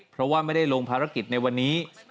เพราะว่าไม่ได้ลงภารกิจในวันนี้